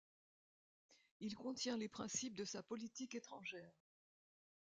Il contient les principes de sa politique étrangère.